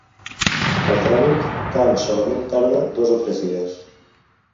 El tràmit tan solament tarda dos o tres dies.